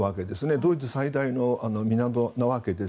ドイツ最大の港なので。